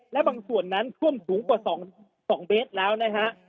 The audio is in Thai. และบางส่วนนั้นท่วมสูงกว่า๒เมตรแล้วนะฮะ